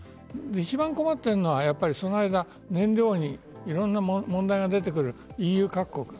一番困っているのはその間、燃料にいろんな問題が出てくるＥＵ各国。